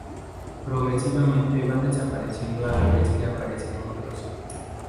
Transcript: Progresivamente van desapareciendo a la vez que aparecen otros.